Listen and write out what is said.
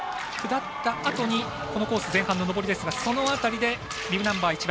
下ったあとにこのコース前半の上りですがその辺りでビブナンバー